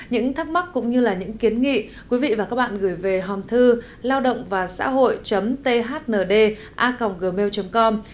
những thắc mắc cũng như những kiến nghị quý vị và các bạn gửi về hòm thư laodongvasahoi thnda gmail com